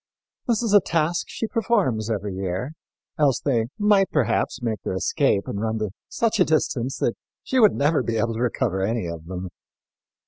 This is a task she performs every year, else they might, perhaps, make their escape and run to such a distance that she would never be able to recover any of them.